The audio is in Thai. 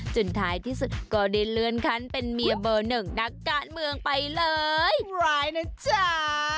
ท้ายที่สุดก็ได้เลื่อนขั้นเป็นเมียเบอร์หนึ่งนักการเมืองไปเลยร้ายนะจ๊ะ